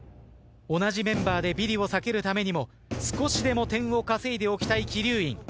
同じメンバーでビリを避けるためにも少しでも点を稼いでおきたい鬼龍院。